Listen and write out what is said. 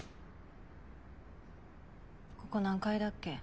ここ何階だっけ？